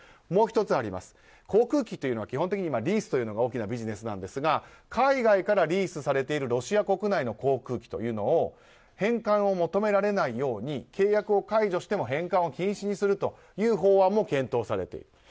もう１つ、航空機というのは基本的にリースというのが大きなビジネスですが海外からリースされているロシア国内の航空機を返還を求められないように契約を解除しても返還を禁止にするという法案も検討されている。